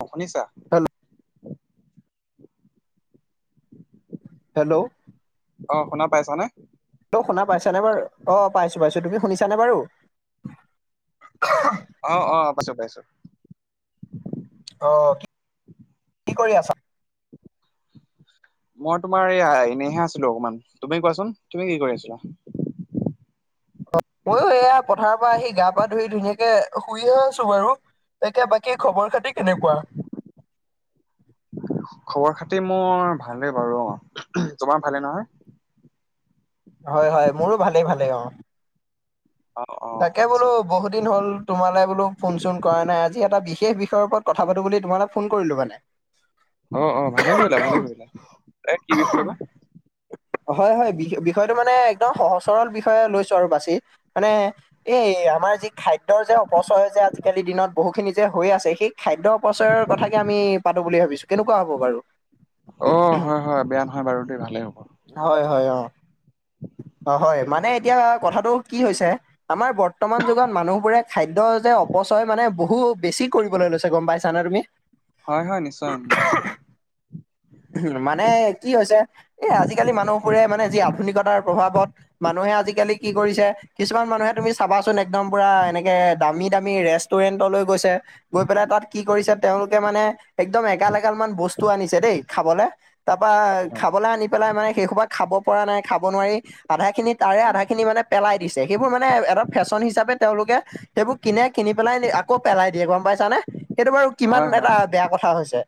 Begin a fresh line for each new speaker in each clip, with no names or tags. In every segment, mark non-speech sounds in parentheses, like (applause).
অ শুনিছা?
Hello hello
অ শুনা পাইছ নে?
ল্ল শুনা পাইছানে বাৰু? অ পাইছোপাইছো, তুমি শুনিছানে বাৰু?
অ অ পাইছো পাইছো
অ কি কৰি আছা?
মই তোমাৰ এই এনেইহে আছিলো অকমান, তুমি কোৱাচোন তুমি কি কৰি আছিলা?
মইয়ো এয়া, পথাৰৰ পৰা আহি, গা পা ধুই, ধুনীয়াকে শুইহে আছো বাৰু। তাকে বাকী খবৰ খাতি কেনেকুৱা?
খবৰ খাতি মোৰ ভাল বাৰু অ তোমাৰ ভালে নহয়
হয় হয় মোৰো ভালেই ভালে অ
অ অ
তাকে বোলো
আচ্ছা
বহুত দিন হ'ল তোমালে বোলো ফোন চোন কৰা নাই আজি এটা বিশেষ বিষয়ৰ ওপৰত কথা পাতো বুলি তোমালে ফোন কৰিলো মানে।
অ' অ' ভালে কৰিলা, ভালে কৰিলা এ কি বিষয় বা?
হয় হয়, বি বিষয়টো মানে একদম সহজ সৰল বিষয়ে লৈছো আৰু বাচি, মানে এই আমাৰ যি খাদ্যৰ যে অপচয় যে আজিকালি দিনত বহু খিনি যে হৈ আছে, সেই খাদ্য অপচয়ৰ কথাকে আমি পাতো বুলি ভাবিছো, কেনেকুৱা হ'ব বাৰু?
অ হয় হয় বেয়া নহয় বাৰু দেই ভালেই হ'ব।
হয় হয় অ অ হয়, মানে এতিয়া কথাটো কি হৈছে আমাৰ বৰ্তমান যুগত মানুহবোৰে খাদ্য যে অপচয় মানে বহু বেছি কৰিবলৈ লৈছে গম পাইছা নে তুমি?
হয় হয় নিশ্চয় উম
মানে কি হৈছে এ আজিকালি মানুহবোৰে মানে যি আধুনিকতাৰ প্ৰভাৱত মানুহে আজিকালি কি কৰিছে কিছুমান মানুহে তুমি চাবাচোন একদম পুৰা এনেকে দামী দামী ৰেষ্টুৰেণ্টলৈ গৈছে। গৈ পেলাই তাত কি কৰিছে তেওঁলোকে মানে একদম এগাল এগাল মান বস্তু আনিছে দেই খাবলে তাপা
হয়
খাবলে আনি পেলাই মানে সেইসোপা খাব পৰা নাই, খাব নোৱাৰি আধাখিনি তাৰে আধা খিনি মানে পেলাই দিছে সেইবোৰ মানে এটা ফেশ্বন হিচাপে তেওঁলোকে সেইবোৰ কিনে, কিনি পেলাই, আকৌ পেলাই দিয়ে, গম পাইছানে সেইটো বাৰু কিমান
হয়
এটা
হয়
বেয়া কথা হৈছে,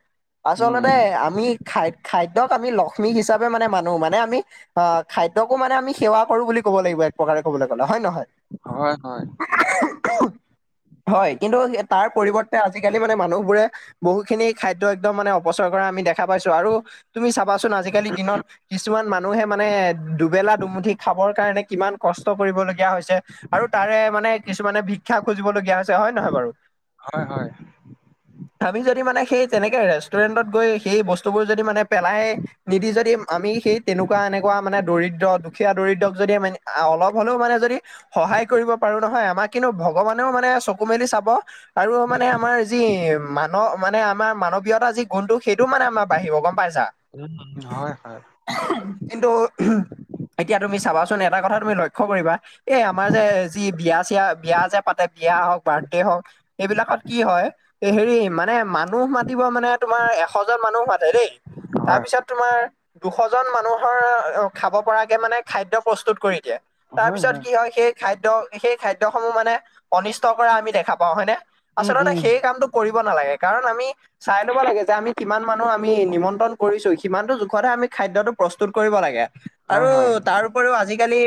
উম
আচলতে
উম
আমি খা খাদ্যক আমি লক্ষ্মী হিচাপে মানে মানো মানে আমি অ খাদ্যকো মানে আমি সেৱা কৰো বুলি ক'ব লাগিব এক প্ৰকাৰে ক'বলৈ গ'লে হয় নহয়
হয় হয়
হয়। কিন্তু তাৰ পৰিৱৰ্তে আজিকালি মানে মানুহবোৰে বহু খিনি খাদ্য একদম মানে অপচয় কৰা আমি দেখ খা পাইছো আৰু তুমি চাবাচোন আজিকালি দিনত কিছুমান মা মানুহে মানে দুবেলা দুমুঠি খাবৰ কাৰণে কিমান কষ্ট কৰিবলগীয়া হৈছে আৰু তাৰে মানে কিছুমানে ভিক্ষা খুজিবলগীয়া হৈছে হয় নে নহয় বাৰু
হয় হয়।
আমি যদি মানে সেই তেনেকে ৰেষ্টুৰেন্টত গৈ সেই বস্তুবোৰ যদি মানে পেলাই নিদি যদি আমি সেই তেনেকুৱা এনেকুৱা মানে দৰিদ্ৰ, দুখীয়া দৰিদ্ৰক যদি আমি অলপ হ'লেও মানে যদি সহায় কৰিব পাৰো নহয় আমাক কিন্তু ভগৱানেও মানে চকু মেলি চাব আৰু মানে আমাৰ যি মান, মানে আমাৰ মানৱীয়তা যি গুণটো সেইটো মানে আমাৰ বাঢ়িব গম পাইছা।
উম উ হয় হয়,
কিন্তু, এতিয়া তুমি চাবাচোন, এটা কথা তুমি লক্ষ্য কৰিবা এই আমাৰ যে, যি বিয়া চিয়া, বিয়া যে পাতে, বিয়া হওক, বাৰ্থডে হওক এইবিলাকত কি হয় হেৰি মানে মানুহ মাতিব মানে তোমাৰ এশ সজন মানুহ মতে দেই।
হয়
তাৰপিছত তোমাৰ দুশ জন মানুহৰ খাব পৰাকে মানে খাদ্য প্ৰস্তুত কৰি দিয়ে। তাৰ পিছত কি হয়, সেই খাদ্য, সেই খাদ্য সমূহ মানে, অনিষ্ট কৰা আমি দেখা পাওঁ হয়নে।
উম
আচলতে
উম
সেই কামটো কৰিব নালাগে কাৰণ আমি চাই ল'ব লাগে যে আমি কিমান মানুহ আমি নিমন্ত্ৰণ কৰিছো সিমানতো জোখতহে আমি খাদ্যটো প্ৰস্তুত কৰিব লাগে।
হয়
আৰু
হয়
তাৰ উপৰিও আজিকালি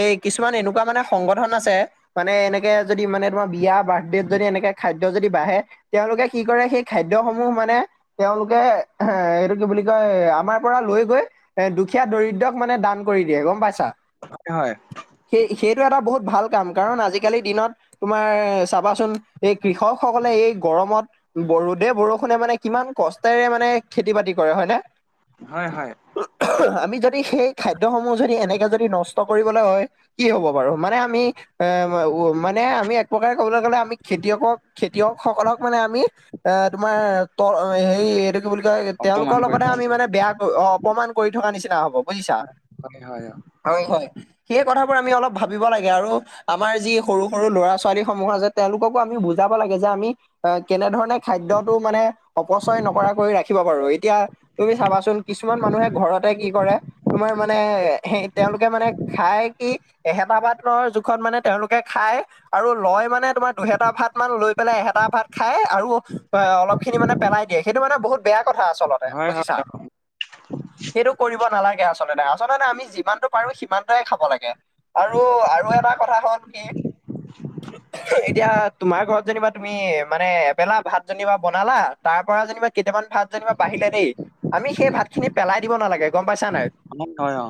এই কিছুমান এনেকুৱা মানে সংগঠন আছে। মানে এনেকে, যদি মানে, তোমাৰ বিয়া, বাৰ্থডেত যদি, এনেকে খাদ্য যদি বাঢ়ে তেওঁলোকে কি কৰে, সেই খাদ্য সমূহ মানে তেওঁলোকে, এ এইটো কি বুলি কয়, আমাৰ পৰা লৈ গৈ এ দুখীয়া, দৰিদ্ৰক, মানে দান কৰি দিয়ে, গম পাইছা।
হয় হয়।
সেই-সেইটো, এটা বহুত ভাল কাম। কাৰণ, আজিকালিৰ দিনত তোমাৰ চাবাচোন, এই কৃষক সকলে এই গৰমত, ৰদে বৰষুণে মানে কিমান কষ্টৰে মানে, খেতি বাতি কৰে হয় নে?
হয় হয়।
আমি যদি সেই খাদ্যসমূহ যদি এনেকে যদি নষ্ট কৰিবলৈ হয় কি হ'ব বাৰু? মানে আমি এ উ মানে আমি এক প্ৰকাৰে কবলৈ গ'লে আমি খেতিয়কক খেতিয়ক সকলক মানে আমি এ তোমাৰ ত হেৰি এইটো কি বুলি কয়,
অপমান
তেওঁলোকৰ
কৰি
লগতহে
থকা
আমি
নিচিনা
মানে বেয়া, অপমান কৰি থকা নিচিনা হব। বুজিছা
হয় হয় হয়
হয় হয় সেই কথাবোৰ আমি অলপ ভাবিব লাগে আৰু আমাৰ যি সৰু সৰু ল'ৰা ছোৱালী সমূহ আছে, তেওঁলোককো আমি বুজাব লাগে, যে আমি আ কেনেধৰণে খাদ্যটো মানে অপচয় নকৰাকৈ ৰাখিব পাৰো এতিয়া তুমি চাবাচোন কিছুমান মানুহে ঘৰতে কি কৰে তোমাৰ মানে, সেই তেওঁলোকে মানে খাই কি এহেতা বাদৰ জোখত মানে, তেওঁলোকে খাই। আৰু লয় মানে মে তোমাৰ দুহেটা ভাত মান লৈ পেলাই এহেটা ভাত খাই আৰু অ অলপ খিনি মানে পেলাই দিয়ে সেইটো মানে বহুত বেয়া কথা আচলতে
হয় হয়
বুজিছা সেইটো, কৰিব নালাগে আচলতে। আচলতে আমি যিমানতটো পাৰো, সিমানটোৱে খাব লাগে। আৰু আৰু এটা কথা হল কি এতিয়া তোমাৰ ঘৰত যেনিবা তুমি, মানে এবেলা ভাত জনী বা বনালা। তাৰ পৰা যেনিবা কেইটামান ভাত যেনিবা বাঢ়িলে দেই আমি সেই ভাত খিনি পেলাই দিব নালাগে গম পাইছা নাই।
আনিম হয় অ।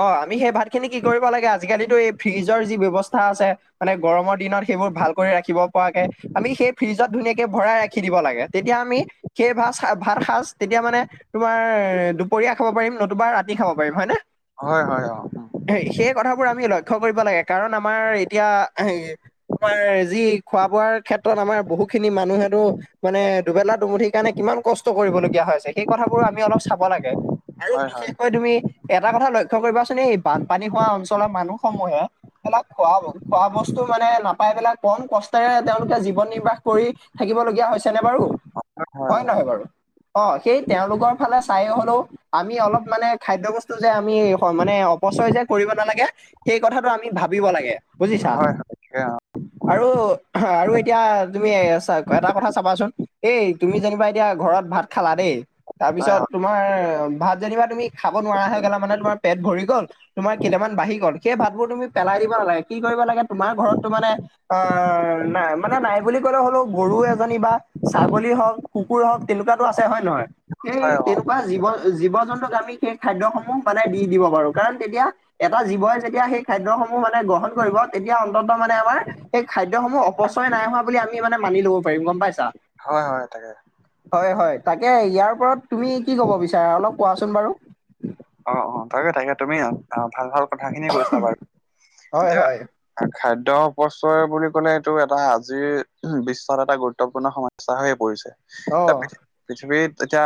অ আমি সেই ভাত খিনি কি কৰিব লাগে আজি কালিতো এই ফ্ৰিজৰ যি ব্যৱস্থা আছে। মানে গৰমৰ দিনত সেইবোৰ ভাল কৰি ৰাখিব পৰাকে, আমি সেই ফ্ৰিজত ধুনীয়াকে, ভৰাই ৰাখি দিব লাগে। তেতিয়া আমি সেই ভাত ভাত সাজ তেতিয়া মানে তোমাৰ, দুপৰীয়া খাব পাৰিম নতুবা ৰাতি খাব পাৰিম হয় নে?
হয় হয় হয়,
হ সেই কথাবোৰ আমি লক্ষ্য কৰিব লাগে কাৰণ আমাৰ এতিয়া হ আমাৰ যি খোৱা বোৱাৰ ক্ষেত্ৰত আমাৰ বহুত খিনি মানুহে তো মানে দুবেলা, দুমুঠি কাৰণে, কিমান কষ্ট কৰিবলগীয়া হৈছে, সেই কথাবোৰ আমি অলপ চাব লাগে। আৰু
হয় হয়
বিশেষকৈ তুমি, এটা কথা লক্ষ্য কৰিবাচোন, এই বানপানী হোৱা অঞ্চলৰ মানুহ সমূহে অলপ খোৱা, খোৱা বস্তু মানে, নাপাই পেলাই, কম কষ্টেৰে তেওঁলোকে জীৱন নিৰ্বাহ কৰি থাকিবলগীয়া, হৈছেনে বাৰু। হয়, নহয় বাৰু অ', সেই তেওঁলোকৰ ফালে চাই হ'লেও আমি অলপ মানে, খাদ্য বস্তু যে আমি মানে, অপচয় যে কৰিব নালাগে। এই কথাটো আমি ভাবিব লাগে বুজিছা।
হয় অ হয় হয় তাকে অ
আৰু, আৰু এতিয়া তুমি এটা কথা চাবাচোন এই, তুমি যেনিবা এতিয়া ঘৰত ভাত খালা দেই।
হয়
তাৰপিছত,
অ
তোমাৰ ভাত যেনিবা তুমিনোৱাৰা হৈ গ'লা, মানে তোমাৰ পেট ভৰি গ'ল। তোমাৰ কেইটামান বাঢ়ি গ'ল, সেই ভাতবোৰ তুমি পেলাই দিব নালাগে, কি কৰিব লাগে তোমাৰ ঘৰততো মানে অ', নাই মানে নাই বুলি ক'লে হ'লেও গৰু এজনী বা ছাগলী হওক, কুকুৰ হওক, তেনেকুৱাতো আছে হয় নহয়, এই
হয় অ
তেনেকুৱা জীৱ জীৱ-জন্তুক আমি সেই খাদ্য সমূহ মানে দি দিব পাৰোঁ। কাৰণ তেতিয়া এটা জীৱই যেতিয়া সেই খাদ্যসমূহ মানে গ্ৰহণ কৰিব, তেতিয়া অন্তত মানে আমাৰ সেই খাদ্যসমূহ অপচয় নাই হোৱা বুলি আমি মানে মানি লব পাৰিম গম পাইছা।
হয়, হয়, তাকে।
হয়, হয় তাকে ইয়াৰ ওপৰত তুমি কি ক'ব বিচাৰা অলপ কোৱাচোন বাৰু।
অ অ তাকে, তাকে তুমি আহ ভাল, ভাল কথা খিনিয়ে কৈছা বাৰু।
হয়
এতিয়া
হয়
খাদ্য অপচয় বুলি ক'লে, এইটো এটা আজিৰ বিশ্বত এটা গুৰুত্বপূৰ্ণ সম স্যা হৈ পৰিছে। এতিয়া
অ'।
পৃথি পৃথিৱীত এতিয়া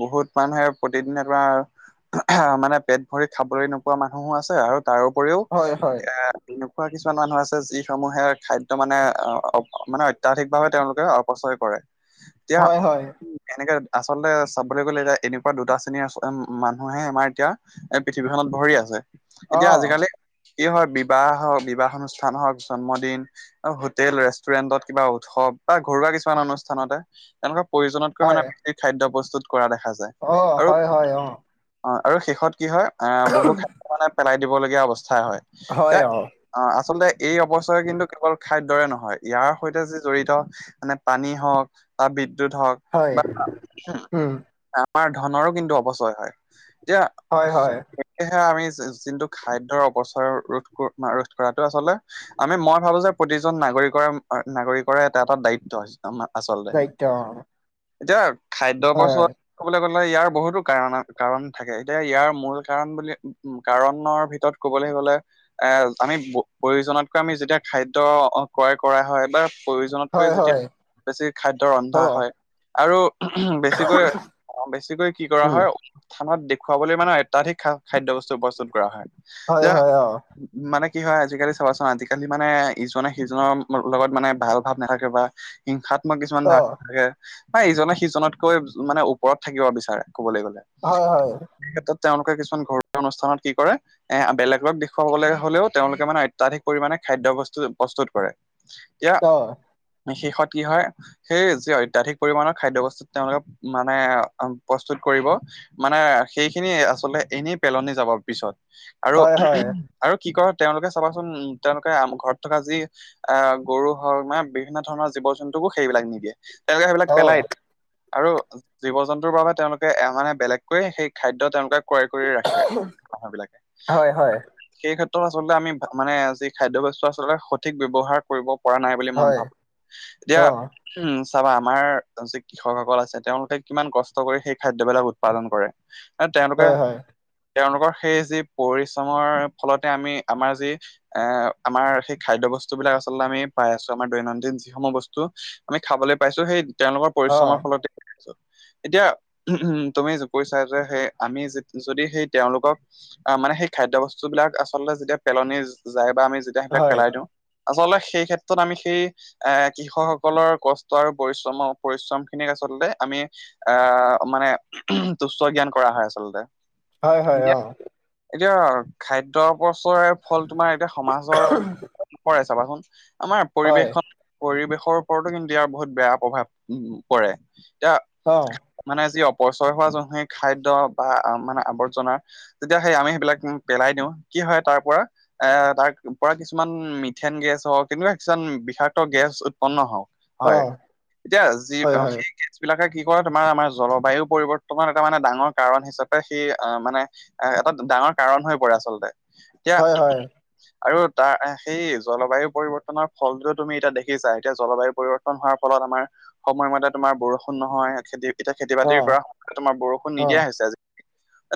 বহুত মানুহে প্ৰতিদিনে, তোমাৰ আহ মানে পেট ভৰি খাবলৈ নোপোৱা মানুহো আছে। আৰু তাৰ উপৰিও
হয় হয়
এ এনেকুৱা কিছুমান মানুহ আছে, যিসমূহে খাদ্য মানে, মানে অত্যাধিকভাৱে তেওঁলোকে অপচয় কৰে। এতিয়া
হয়, হয়।
এনেকে আচলতে চাবলৈ গ'লে এতিয়া, এনেকুৱা দুটা শ্ৰেণীৰ মানুহে আমাৰ এতিয়া। এ পৃথিৱীখন ভৰি আছে।
অ
এতিয়া আজিকালি কি হয়, বিবাহ হওক, বিবাহ অনুষ্ঠান হওক, জন্মদিন হোটেল, ৰেষ্টুৰেন্টত কিবা উৎসৱ বা ঘৰুৱা কিছুমান অনুষ্ঠানতে তেনেকুৱা প্ৰয়োজনতকৈ মানে,
হয়
বেছি খাদ্য প্ৰস্তুত কৰা দেখা যায়।
অ
আৰু
হয় হয় অ
অ', আৰু শেষত কি হয়, আহ বহু খাদ্য মানে পেলাই দিবলগীয়া অৱস্থা হয়।
হয়,
এতিয়া
অ'।
অ', আচলতে এই অপচয় কিন্তু কেৱল খাদ্যৰে নহয়। ইয়াৰ সৈতে যি জড়িত মানে, পানী হওক বা বিদ্যুৎ হওক
হয়
বা
উম
আমাৰ ধনৰো কিন্তু অপচয় হয়। এতিয়া
হয় হয়
সেয়েহে আমি যোনটো খাদ্যৰ অৱচয়ৰ ৰোধ, ৰোধ কৰাটো আচলতে আমি মই ভাবো যে, প্ৰতিজন নাগৰিকৰে, নাগৰিকৰে এটা, এটা দায়িত্ব। আচলতে,
দায়িত্ব অ
এতিয়া খাদ্য
হয়
অপচয় ক'বলৈ গ'লে, ইয়াৰ বহুতো কাৰণ, কাৰণ, থাকে এতিয়া ইয়াৰ মূল কাৰণ বুলি, কাৰণৰ ভিতৰত ক'বলৈ গ'লে এ আমি প্ৰয়োজনতকৈ আমি, যেতিয়া খাদ্য ক্ৰয় কৰা হয় বা প্ৰয়োজনতকৈ
হয়
যেতিয়া
হয়
বেছি খাদ্য ৰন্ধা
অ
হয়। আৰু বেছিকৈ অ', বেছিকৈ কি কৰা
উম
হয়, খানাত দেখুৱাবলৈ মানে অত্যাধিক খা খাদ্য বস্তু প্ৰস্তুত কৰা হয়।
হয়
যে
হয় অ
মানে কি হয় আজি-কালি চাবাচোন আজি-কালি মানে ইজনে সিজনৰ লগত মানে ভাল ভাৱ নাথাকে বা হিংসাত্মক কিছুমান
অ
ভাৱ থাকে মানে ইজনে সিজনতকৈ মানে ওপৰত থাকিব বিচাৰে কবলৈ গ'লে।
হয় হয়
সেই ক্ষেত্ৰত তেওঁলোকে কিছুমান ঘৰুৱা অনুষ্ঠানত কি কৰে এ বেলেগত দেখুৱাব গ'লে হলেও তেওঁলোকে মানে অত্যাধিক পৰিমাণে খাদ্য বস্তু প্ৰস্তুত কৰে। এতিয়া
অ
শেষত কি হয় সেই যি অত্যাধিক পৰিমণৰ খাদ্য বস্তু তেওঁলোকে মানে প্ৰস্তুত কৰিব মানে সেইখিনি আচলতে এনেই পেলনি যাব পিছত আৰু
হয় হয়
আৰু কি কয় তেওঁলোকে চাবাচোন উ তেওঁলোকে ঘৰত থকা যি আহ গৰু হওক মানে বিভিন্ন ধৰণৰ জীৱ-জন্তুকো সেইবিলাক নিদিয়ে তেওঁলোকে সেইবিলাক
অ
পেলাই আৰু জীৱ-জন্তুৰ বাবে তেওঁলোকে মানে বেলেগকৈ সেই খাদ্য তেওঁলোকে ক্ৰয় কৰি ৰাখে মানুহ বিলাকে
হয় হয়
সেই ক্ষেত্ৰত আচলতে আমি মানে যি খাদ্য বস্তু আচলতে সঠিক ব্যৱহাৰ কৰিব কৰা নাই বুলি মই
হয়
ভাবো এতিয়া
অ
উম চাবা আমাৰ যি কৃষকসকল আছে তেওঁলোকে কিমান কষ্ট কৰি সেই খাদ্যবিলাক উৎ- পাদন কৰে এ তেওঁলোকে
হয় হয়
তেওঁলোকৰ সেই যি পৰিশ্ৰমৰ ফলতে আমি আমাৰ যি এ আমাৰ সেই খাদ্য বস্তু বিলাক আচলতে আমি পাই আছো আমাৰ দৈনন্দিন যিসমূহ বস্তু আমি খাবলৈ পাইছো সেই- তেওঁলোকৰ
অ
পৰিশ্ৰমৰ
হয়
ফলতে খাই আছো এতিয়া উম তুমি কৈছা যে সে আমি যে- যদি সেই তেওঁলোকক আহ মানে সেই খাদ্য বস্তু বিলাক আচলতে যেতিয়া পেলনি যায় বা আমি যে সেইবিলাক পেলাই দিওঁ আচলতে সেই ক্ষেত্ৰত আমি সেই এ কৃষকসকলৰ কষ্ট আৰু পৰিশ্ৰম পৰিশ্ৰম খিনিক আচলতে আমি আহ মানে তুচ্ছ জ্ঞান কৰা হয় আচলতে
হয় হয়
এতিয়া
অ
এতিয়া খাদ্য অপচয় ফল তোমাৰ এতিয়া সমাজৰ পৰাই চাবাচোন আমাৰ
হয়
পৰিৱেশখন পৰিৱেশৰ ওপৰতো কিন্তু ইয়াৰ বহুত বেয়া প্ৰভাৱ পৰে এতিয়া
অ
মানে যি অপচয় হোৱা জনহেই খাদ্য বা মানে আৱৰ্জনা তেতিয়া সেই আমি সেইবিলাক পেলাই দিওঁ কি হয় তাৰ পৰা এ তাৰ পৰা কিছুমান মিথেন গেছ হওক তেনেকুৱা কিছুমান বিষাক্ত গেছ উৎপন্ন হওক
অ
হয় এতিয়া যি
হয়
অ
হয়
সি গেছ বিলাকে কি কৰে তোমাৰ আমাৰ জলবায়ু পৰিৱৰ্তনৰ এটা মানে ডাঙৰ কাৰণ হিচাপ পে সি আ মানে এটা ডাঙৰ কাৰণ হৈ পৰে আচলতে এতিয়া
হয় হয়
আৰু তাৰ সেই জলবায়ু পৰিৱৰ্তনৰ ফলটোৱে তুমি এতিয়া দেখিছা এতিয়া জলবায়ু পৰি- ৱৰ্তন হোৱাৰ ফলত আমাৰ সময়মতে তোমাৰ বৰষুণ নহয় খেতি- এতিয়া
অ
খেতি-বাতি কৰা সময়ত তোমাৰ বৰষুণ
অ
নিদিয়া হৈছে আজি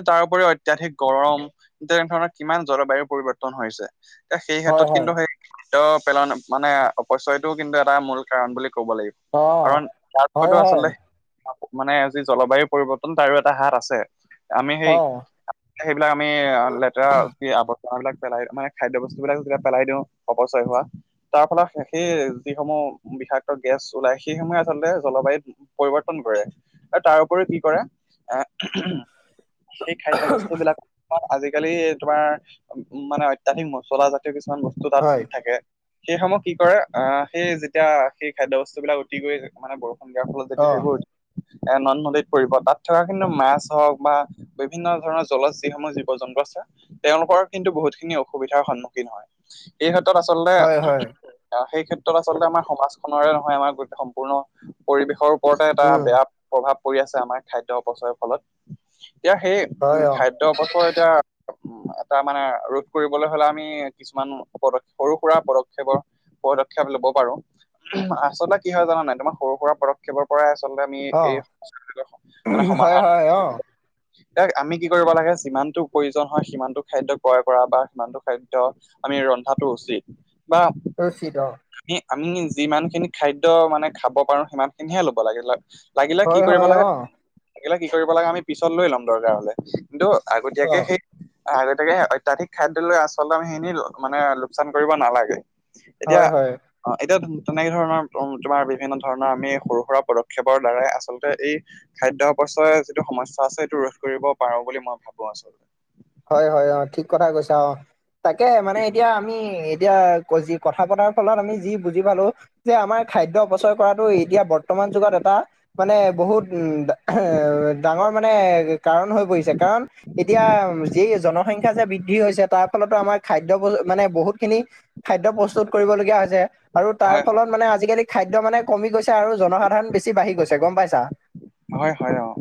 তাৰ ওপৰিও অত্যাধিক গৰম এ তেনে ধৰণৰ কিমান জলবায়ু পৰিৱৰ্তন হৈছে। সেই
হয়
ক্ষেত্ৰত
হয়
কিন্তু সেই (unintelligible) মানে অপচয়টোও কিন্তু এটা মূল কাৰণ বুলি ক'ব লাগিব।
অ
কাৰণ তাৰ
হয়
পৰাতো
হয়
আচলতে মানে যি জলবায়ু পৰিৱৰ্তন তাৰো এটা হাত আছে। আমি
অ
সেই। সেইবিলাক আমি লেতেৰা আৱৰ্জনাাবলাক পেলাই মানে খাদ্য বস্তু বিলাক যেতি পেলাই দিওঁ অপচয় হোৱা। তাৰ ফলত সেই যিসমূহ বিষাক্ত গেছ ওলাই সেইসমূহে আচলতে জলবায়ুত। পৰিৱৰ্তন কৰে আৰু তাৰ উপৰিও কি কৰে এ। সেই খাদ্য বস্তু বিলাক। আজিকালি তোমাৰ উম মানে অত্যাধিক মচলা জাতীয় কিছুমান বস্তু
হয়
তাত থাকে। সেই সমূহ কি কৰে আহ সেই যেতিয়া সেই খাদ্য বস্তুবলাক উটি গৈ মানে বৰষুণ। যাৰ ফলত
অ
যেতিয়া সেইবোৰ নন্দ নদীত পৰিব তাত থকা কিন্তু মাছ হওক। বা বিভিন্ন ধৰণৰ জলত যিসমূহ জীৱ জন্তুৰ আছে। তেওঁলোকৰ কিন্তু বহুত খিনি অসুবিধাৰ সন্মুখীন হয় এই ক্ষেত্ৰত আচলতে।
হয় হয়
আহ সেই ক্ষেত্ৰত আচলতে আমাৰ সমাজখৰে নহয় আমাৰ গোতে সম্পূৰ্ণ পৰিৱেশৰ। ওপৰতে এটা
উম
বেয়া প্ৰভাৱ পৰি আছে আমাৰ খাদ্য অপচয়ৰ ফলত এতিাৰ সেই। উম
হয় অ
খাদ্য অপচয় এতিয়া। এটা মানে ৰোধ কৰিবলৈ হলে আমি কিছুমান পদপ সৰু সুৰা পদক্ষেপৰ। পদক্ষেপ লব পাৰো আচলতে কি হয় জানা নাই তোমাৰ সৰু সুৰা পদক্ষে। প্ৰেপৰ পৰাই আচল্ততে আমি
অ
এই সমস্ মানে
হয়
সমাধান
হয় অ
(unintelligible) এ আমি কি কৰিব লাগে যিমানটো প্ৰয়োজন হয় সিমানটো খাদ্য ক্ৰয় কৰা বা সিমানটো খাদ্য। আমি ৰন্ধাটো উচিত, বা
উচিত অ,
আমি আমি যিমান খিনি খাদ্য মানে খাব পাৰো, সিমান খিনিহে ল'ব লাগে। লাগিলে কি
হয়
কৰিব
হয়
লাগে,
অ
লাগিলে কি কৰিব লাগে, আমি পিছত লৈ লম দৰকাৰ হ'লে। কিন্তু
অ
আগতীয়াকেই সেই। অহ, গতিকে অত্যাধিক খাদ্য লৈ আচলতে সেইখিনি মানে লোকচান কৰিব নালাগে। এতিয়া
হয় হয়
অ' এতিয়া তেনেকে ধৰণৰ তোমাৰ বিভিন্ন ধৰণৰ আমি সৰু সুৰা পদক্ষেপৰ দ্বাৰাই আচলতে এই খাদ্য অপচয় যিটো সমস্যা আছে, সেইটো ৰোধ কৰিব পাৰো বুলি মই ভাবো আচলতে।
হয় হয় অহ, ঠিক কথা কৈছা অহ, তাকেহে মানে এতিয়া আমি এতিয়া কজি কথা পতাৰ ফলত আমি যি বুজি পালো। যে আমাৰ খাদ্য অপচয় কৰাটো এতিয়া বৰ্তমান যুগত এটা মানে বহুত উম এহ ডাঙৰ মানে কাৰণ হৈ পৰিছে, কাৰণ এতিয়া যি জন সংখ্যা যে বৃদ্ধি হৈছে, তাৰ ফলতো আমাৰ খাদ্য বচ মানে বহুত খিনি খাদ্য প্ৰস্তুত কৰিবলগীয়া হৈছে আৰু
হয়
তাৰ ফলত মানে আজিকালি খাদ্য মানে কমি গৈছে আৰু জনসাধাৰণ বেছি বাঢ়ি গৈছে গ'ম পাইছা।
হয় হয় অ'।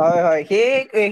হয় হয় সেই